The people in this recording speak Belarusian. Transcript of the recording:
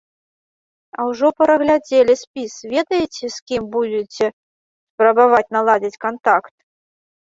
А ўжо праглядзелі спіс, ведаеце, з кім будзеце спрабаваць наладзіць кантакт?